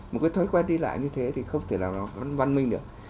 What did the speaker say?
một cái thói quen đi lại như thế thì không thể nào nó văn minh được